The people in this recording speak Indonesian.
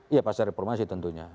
iya pasca reformasi tentunya